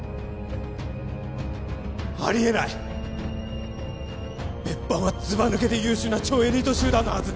ありえない別班はずば抜けて優秀な超エリート集団のはず